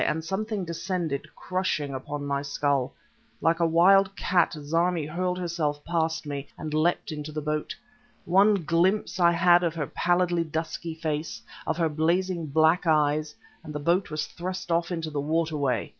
and something descended, crushing, upon my skull. Like a wild cat Zarmi hurled herself past me and leapt into the boat. One glimpse I had of her pallidly dusky face, of her blazing black eyes, and the boat was thrust off into the waterway